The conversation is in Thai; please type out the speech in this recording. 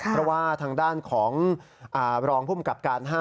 เพราะว่าทางด้านของรองภูมิกับการ๕